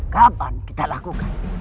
kapan kita lakukan